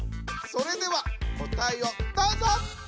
それでは答えをどうぞ！